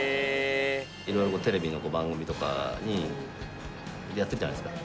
色々テレビの番組とかにやってるじゃないですか。